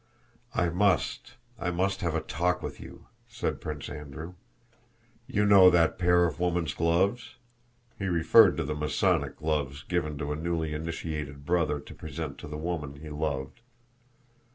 "I must... I must have a talk with you," said Prince Andrew. "You know that pair of women's gloves?" (He referred to the Masonic gloves given to a newly initiated Brother to present to the woman he loved.)